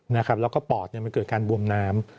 นะครับแล้วก็ปอดเนี่ยมันเกิดการบวมน้ำ